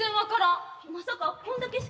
まさかこんだけしか。